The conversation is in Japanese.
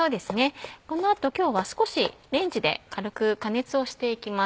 この後今日は少しレンジで軽く加熱をしていきます。